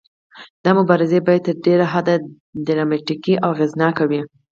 دا مبارزې باید تر ډیره حده ډراماتیکې او اغیزناکې وي.